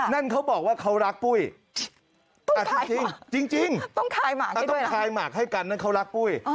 นั่นเขาบอกว่าเขารักปุ้ยแต่จริงจริงต้องคลายหมากให้กันนั่นเขารักปุ้ย